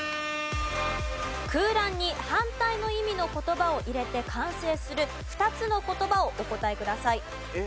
空欄に反対の意味の言葉を入れて完成する２つの言葉をお答えください。